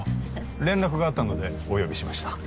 連絡があったのでお呼びしました